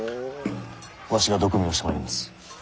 わしが毒味をしてまいります。